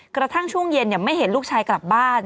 กระทั่งช่วงเย็นไม่เห็นลูกชายกลับบ้าน